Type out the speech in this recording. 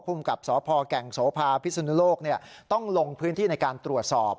ภูมิกับสตแก่งโสภาภิษณุโลกเนี่ยต้องลงพื้นที่ในการตรวจสอบ